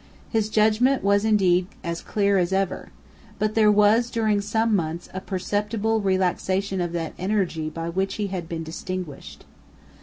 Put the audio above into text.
His judgment was indeed as clear as ever. But there was, during some months, a perceptible relaxation of that energy by which he had been distinguished.